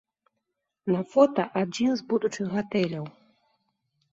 На фота адзін з будучых гатэляў.